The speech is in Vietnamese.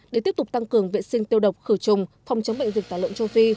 để tiếp tục tăng cường vệ sinh tiêu độc khử trùng phòng chống bệnh dịch tả lợn châu phi